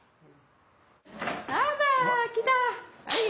あら来た。